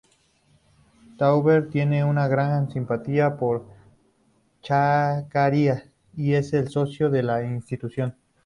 Tauber tiene una gran simpatía por Chacarita y es socio de la institución.